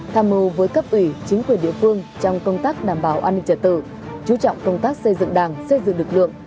tham mưu với cấp ủy chính quyền địa phương trong công tác đảm bảo an ninh trật tự chú trọng công tác xây dựng đảng xây dựng lực lượng